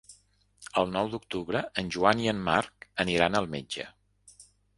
El nou d'octubre en Joan i en Marc aniran al metge.